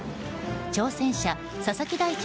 挑戦者、佐々木大地